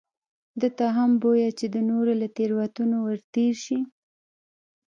ده ته هم بویه چې د نورو له تېروتنو ورتېر شي.